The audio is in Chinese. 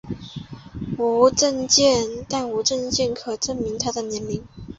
但无证件可证明她的年龄。